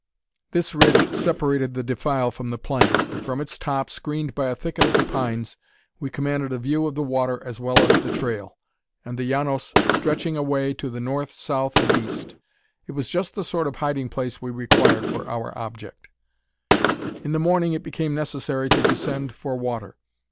This ridge separated the defile from the plain; and from its top, screened by a thicket of the pines, we commanded a view of the water as well as the trail, and the Llanos stretching away to the north, south, and east. It was just the sort of hiding place we required for our object. In the morning it became necessary to descend for water.